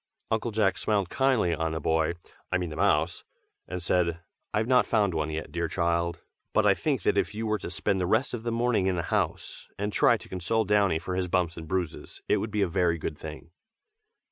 Uncle Jack smiled kindly on the boy I mean the mouse and said "I have not found one yet, dear child! but I think that if you were to spend the rest of the morning in the house, and try to console Downy for his bumps and bruises, it would be a very good thing."